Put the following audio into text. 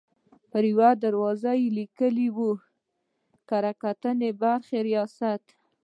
پر یوه دروازه یې لیکلي وو: د کره کتنې برخې ریاست.